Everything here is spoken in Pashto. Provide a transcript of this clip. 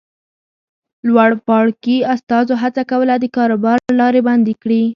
لوړپاړکي استازو هڅه کوله د کاروبار لارې بندې کړي.